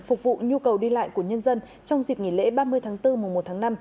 phục vụ nhu cầu đi lại của nhân dân trong dịp nghỉ lễ ba mươi tháng bốn mùa một tháng năm